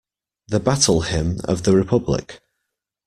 The Battle Hymn of the Republic.